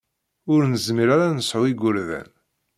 Ur nezmir ara ad nesɛu igurdan.